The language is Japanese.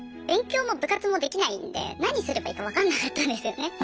勉強も部活もできないんで何すればいいかわかんなかったんですよね。